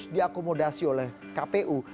diakomodasi oleh kpu